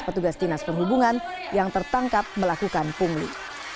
petugas dinas perhubungan yang tertangkap melakukan pungli